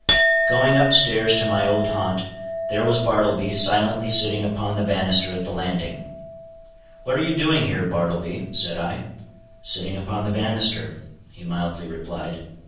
Going up stairs to my old haunt, there was Bartleby silently sitting upon the banister at the landing. "What are you doing here, Bartleby?" said I. "Sitting upon the banister," he mildly replied.